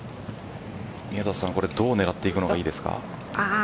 宮里さん、これどう狙っていくのがいいですか。